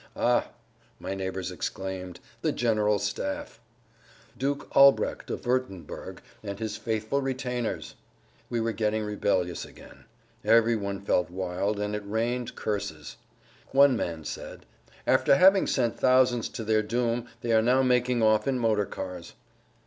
"Ah!" my neighbors exclaimed, "the General Staff!" Duke Albrecht of Wurttemberg and his faithful retainers! We were getting rebellious again. Every one felt wild, and it rained curses. One man said, "After having sent thousands to their doom they are now making off in motorcars."